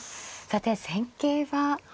さて戦型は。